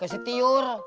ke si tior